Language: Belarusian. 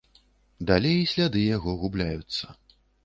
Далей сляды яго губляюцца.